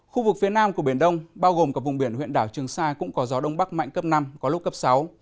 khu vực phía nam của biển đông bao gồm cả vùng biển huyện đảo trường sa cũng có gió đông bắc mạnh cấp năm có lúc cấp sáu